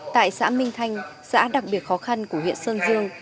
tại xã minh thanh xã đặc biệt khó khăn của huyện sơn dương